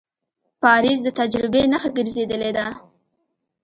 پاریس د تجربې نښه ګرځېدلې ده.